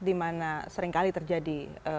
dimana seringkali terjadi